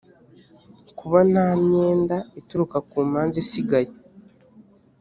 kuba nta myenda ituruka ku manza isigaye